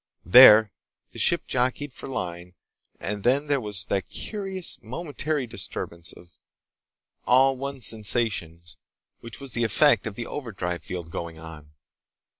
There the ship jockeyed for line, and then there was that curious, momentary disturbance of all one's sensations which was the effect of the overdrive field going on.